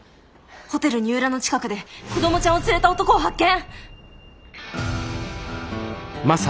「ホテル二浦の近くで子どもちゃんを連れた男を発見！」。